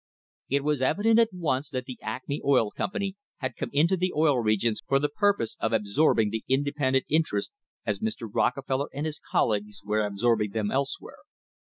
It wa? evident at once that the Acme Oil Company had come into the Oil Regions for the purpose of absorbing the independent interests as Mr. Rockefeller and his colleagues were absorb ing them elsewhere.